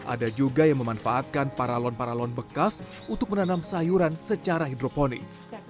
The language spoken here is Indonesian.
ada juga yang memanfaatkan paralon paralon bekas untuk menanam sayuran secara hidroponik